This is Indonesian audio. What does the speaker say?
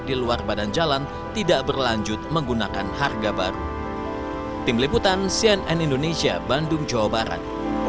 di luar badan jalan tidak berlanjut menggunakan harga baru tim liputan cnn indonesia bandung jawa barat